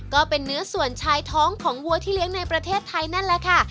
ก็เป็นเนื้อส่วนชายท้องของวัวที่เลี้ยงในประเทศไทยนั่นแหละค่ะ